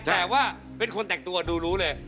แต่ว่าเป็นคนแต่งตัวดูรู้เลย